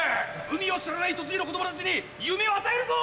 海を知らない栃木の子供たちに夢を与えるぞ！